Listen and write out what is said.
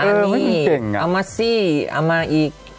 อ่ะนี่ล่าเฮ้ยเอามาสิเอามาอีก